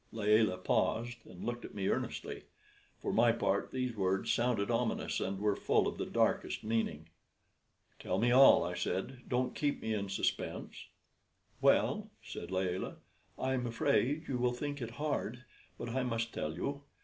Layelah paused, and looked at me earnestly. For my part these words sounded ominous, and were full of the darkest meaning. "Tell me all," I said; "don't keep me in suspense." "Well," said Layelah, "I'm afraid you will think it hard; but I must tell you.